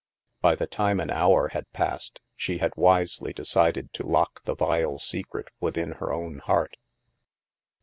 By the time an hour had passed, she had wisely decided to lock the vile se cret within her own heart.